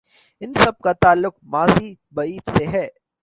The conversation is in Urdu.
ان سب کا تعلق ماضی بعید سے ہے۔